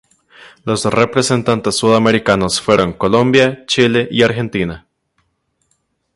Los representantes sudamericanos fueron Colombia, Chile y Argentina.